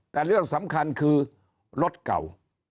แต่เรื่องสำคัญคือรถเก่า